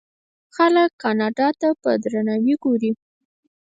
خلک کاناډا ته په درناوي ګوري.